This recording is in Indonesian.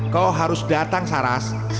kau harus datang saras